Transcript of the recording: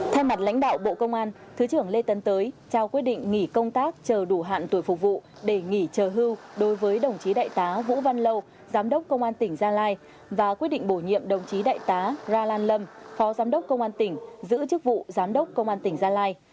thay mặt lãnh đạo bộ công an thứ trưởng lê tấn tới trao quyết định nghỉ công tác chờ đủ hạn tuổi phục vụ để nghỉ chờ hưu đối với đồng chí đại tá vũ văn lâu giám đốc công an tỉnh gia lai và quyết định bổ nhiệm đồng chí đại tá ra lan lâm phó giám đốc công an tỉnh giữ chức vụ giám đốc công an tỉnh gia lai